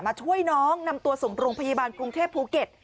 ช่วยน้องนำตัวส่งโรงพยาบาลกรุงเทพภูเก็ต